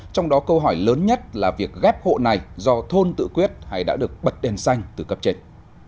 trong đó câu hỏi lớn nhất là việc ghép hộ này do thôn tự quyết hay đã được bật đèn xanh từ cấp trên